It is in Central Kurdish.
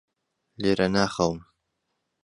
لێرە ناخەوم.